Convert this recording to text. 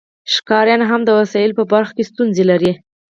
ښکاریان هم د وسایلو په برخه کې ستونزې لري